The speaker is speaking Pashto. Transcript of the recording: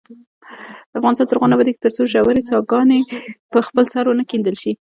افغانستان تر هغو نه ابادیږي، ترڅو ژورې څاګانې په خپل سر ونه کیندل شي.